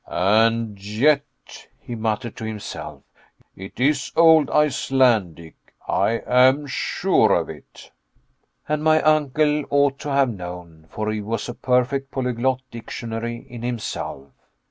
"And yet," he muttered to himself, "it is old Icelandic, I am sure of it." And my uncle ought to have known, for he was a perfect polyglot dictionary in himself.